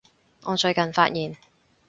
我最近發現